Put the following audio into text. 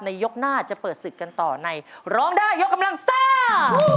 ยกหน้าจะเปิดศึกกันต่อในร้องได้ยกกำลังซ่า